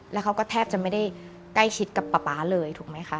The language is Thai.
แล้วเขาก็แทบจะไม่ได้ใกล้ชิดกับป๊าป๊าเลยถูกไหมคะ